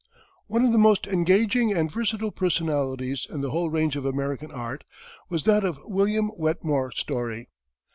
One of the most engaging and versatile personalities in the whole range of American art was that of William Wetmore Story.